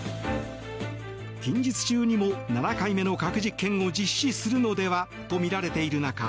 近日中にも７回目の核実験を実施するのではとみられている中